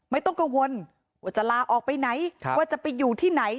ไม่ต้องกังวลว่าจะลาออกไปไหนว่าจะไปอยู่ที่ไหน